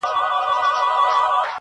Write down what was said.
يوه بوډا په ساندو، ساندو ژړل،